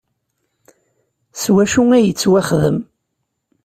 S wacu ay yettwaxdem?